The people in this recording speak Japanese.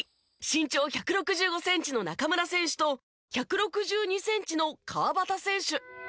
身長１６５センチの中村選手と１６２センチの川端選手。